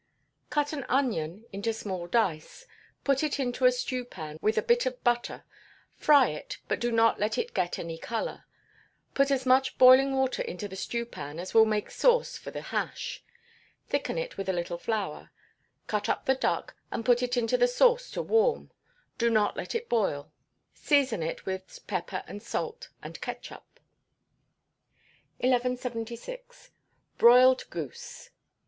Cut an onion, into small dice: put it into a stewpan with a bit of butter; fry it, but do not let it get any colour; put as much boiling water into the stewpan as will make sauce for the hash; thicken it with a little flour; cut up the duck, and put it into the sauce to warm; do not let it boil; season it with pepper and salt and ketchup. 1176. Broiled Goose.